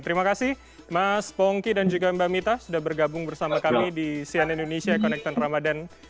terima kasih mas pongki dan juga mbak mita sudah bergabung bersama kami di sian indonesia connected ramadan